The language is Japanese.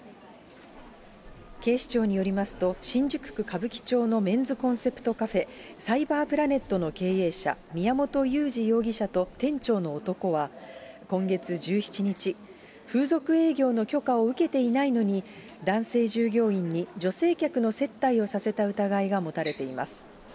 警視庁によりますと、新宿区歌舞伎町のメンズコンセプトカフェ、電脳プラネットの経営者、宮本優二容疑者と店長の男は、今月１７日、風俗営業の許可を受けていないのに、男性従業員に女性客の接待をさせた疑いが持たれています。